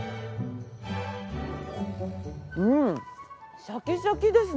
うんシャキシャキですね。